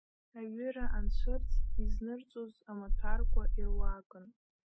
Аҩыра анцәырҵ, изнырҵоз амаҭәарқәа ируакын.